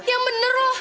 ya bener loh